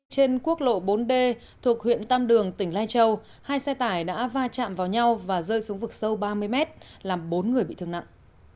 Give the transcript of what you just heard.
trên quốc lộ bốn d thuộc huyện tam đường tỉnh lai châu hai xe tải đã va chạm vào nhau và rơi xuống vực sâu ba mươi mét làm bốn người bị thương nặng